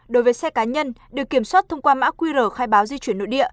đối với xe cá nhân được kiểm soát thông qua mã qr khai báo di chuyển nội địa